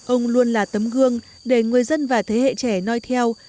ông luôn là tấm gương để người dân và thế hệ trẻ nói theo